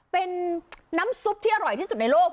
เป็นน้ำซุปที่อร่อยที่สุดในโลก